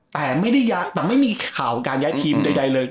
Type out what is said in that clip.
แต่ไม่มีข่าวการย้ายทีมใดเลย